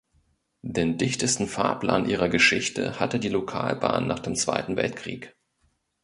Den dichtesten Fahrplan ihrer Geschichte hatte die Lokalbahn nach dem Zweiten Weltkrieg.